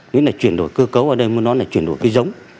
những cái chuyển đổi cơ cấu ở đây muốn nói là chuyển đổi cây giống